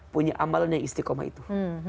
punya amalannya istiqomah itu